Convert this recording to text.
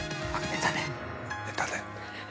寝たね。